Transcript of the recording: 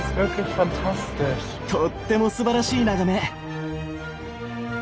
とってもすばらしい眺め！